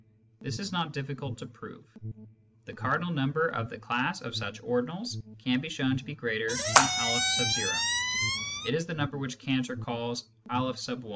(This is not difficult to prove.) The cardinal number of the class of such ordinals can be shown to be greater than N ; it is the number which Cantor calls N x .